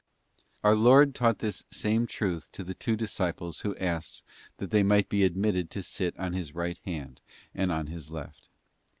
Our Lord taught this same truth to the two disciples who asked that they might be admitted to sit on His right hand 'and on His left.